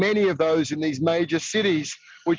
banyaknya di kota kota besar ini